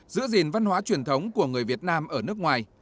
giữ gìn văn hóa truyền thống của người việt nam ở nước ngoài